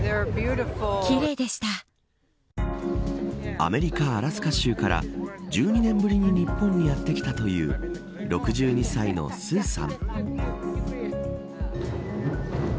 アメリカ、アラスカ州から１２年ぶりに日本にやってきたという６２歳のスーさん。